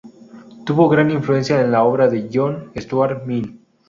Tuvo gran influencia en la obra de John Stuart Mill.